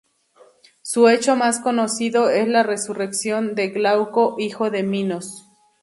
Su hecho más conocido es la resurrección de Glauco, hijo de Minos.